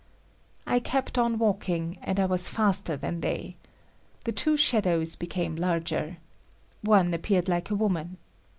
I kept on walking, and I was faster than they. The two shadows became larger. One appeared like a woman.